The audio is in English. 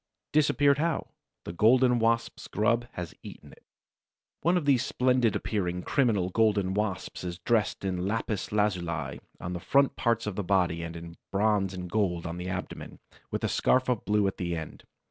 Disappeared how? The Golden Wasp's grub has eaten it. One of these splendid appearing, criminal Golden Wasps is dressed in lapis lazuli on the front part of the body and in bronze and gold on the abdomen, with a scarf of blue at the end.